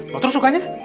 lo terus sukanya